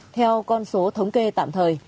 theo con số thống kê tạm thời